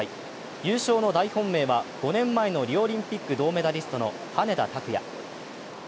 優勝の大本命は５年前のリオオリンピック銅メダリストの羽根田卓也。